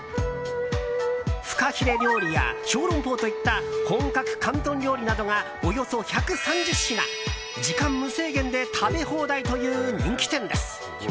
フカヒレ料理や小龍包といった本格広東料理などがおよそ１３０品、時間無制限で食べ放題という人気店です。